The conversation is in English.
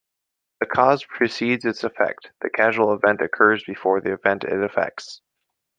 A cause precedes its effect: the causal event occurs before the event it affects.